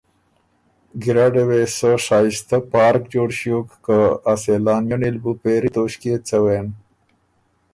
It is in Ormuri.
ګیرډه وې سۀ شائستۀ پارک جوړ ݭیوک که ا سېلانئنی ل بُو پېری توݭکيې څوېن